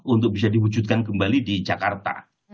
untuk bisa diwujudkan kembali di jakarta